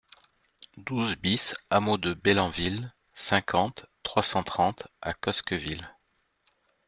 douze BIS hameau de Bellanville, cinquante, trois cent trente à Cosqueville